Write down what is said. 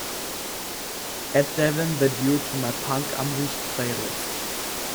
Add devin the dude to my punk unleashed playlist.